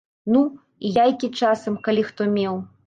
Ну, і яйкі часам, калі хто меў.